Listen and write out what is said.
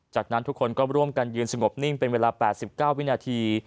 จากนั้นทุกคนก็ร่วมกันยืนสงบนิ่งเป็นเวลา๘๙วินาที